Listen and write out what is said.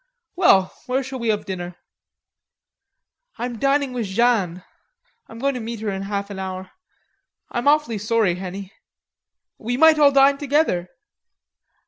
Well, where shall we have dinner?" "I'm dining with Jeanne.... I'm going to meet her in half an hour.... I'm awfully sorry, Henny. We might all dine together."